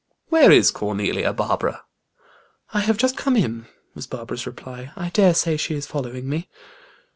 "Where is Cornelia, Barbara?" "I have just come in," was Barbara's reply. "I dare say she is following me."